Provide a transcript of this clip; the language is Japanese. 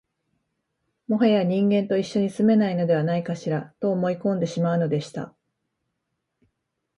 もはや人間と一緒に住めないのではないかしら、と思い込んでしまうのでした